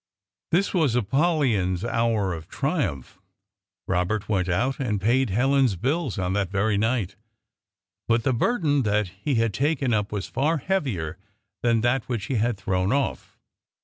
This was Apollyon's hour of triumph. Robert went out and paid Helen's bills on that very night. But the burden that he had taken up was far heavier than that which he had thrown off.